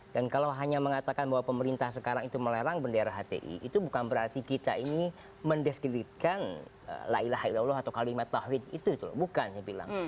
dan kalau hanya mengatakan bahwa pemerintah sekarang itu melerang bendera hti itu bukan berarti kita ini mendiskreditkan la ilaha illallah atau kalimat tauhid itu bukan saya bilang